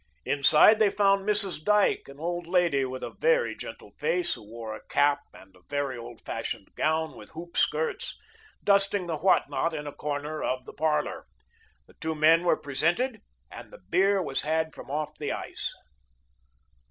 Inside they found Mrs. Dyke, an old lady with a very gentle face, who wore a cap and a very old fashioned gown with hoop skirts, dusting the what not in a corner of the parlor. The two men were presented and the beer was had from off the ice.